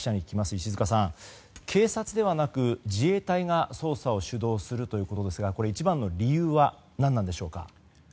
石塚さん、警察ではなく自衛隊が捜査を主導するということですが一番の理由は何なのでしょうか。